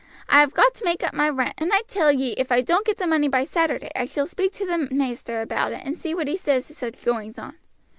I have got to make up my rent, and I tell ye if I don't get the money by Saturday I shall speak to t' maister about it and see what he says to such goings on."